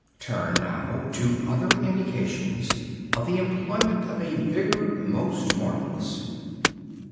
_ "Turn, now, to other indications of the employment of a vigor most marvellous.